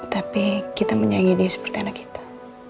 tapi kita menyayangi dia seperti anak kita